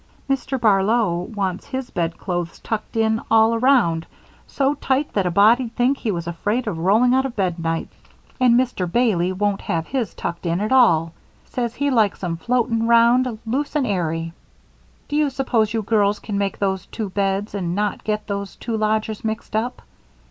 Mr. Barlow wants his bedclothes tucked in all around so tight that a body'd think he was afraid of rolling out of bed nights, and Mr. Bailey won't have his tucked in at all says he likes 'em 'floating round loose and airy.' Do you suppose you girls can make those two beds and not get those two lodgers mixed up?